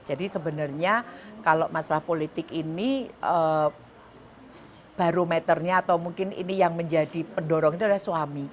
jadi sebenarnya kalau masalah politik ini baru meternya atau mungkin ini yang menjadi pendorongnya adalah suami